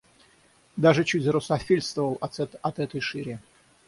Даже чуть зарусофильствовал от этой шири!